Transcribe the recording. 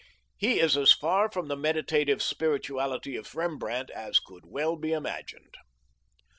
He is as far from the meditative spirituality of Rembrandt as could well be imagined.